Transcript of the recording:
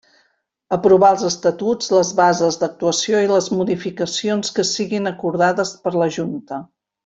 Aprovar els Estatus, les Bases d'actuació i les modificacions que siguin acordades per la Junta.